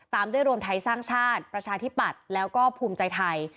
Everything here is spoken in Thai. ตามด้วยรวมไทยสร้างชาติประชาธิปัตย์แล้วก็ภูมิใจไทย